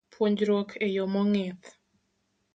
Puonjruok e yo mong'ith